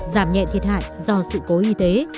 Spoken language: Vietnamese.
giảm nhẹ thiệt hại do sự cố y tế